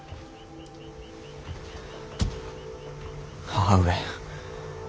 母上。